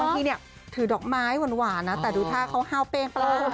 ตอนนี้ถือดอกไม้หวานนะแต่ดูท่าเขาห้าวเปล้งปล้า